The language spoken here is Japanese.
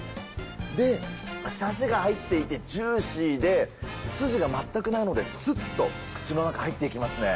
で、サシが入っていてジューシーで、筋が全くないので、すっと口の中入っていきますね。